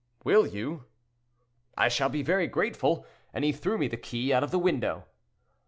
'Will you? I shall be very grateful,' and he threw me the key out of the window.